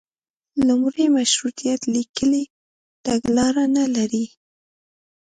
لومړی مشروطیت لیکلي تګلاره نه لري.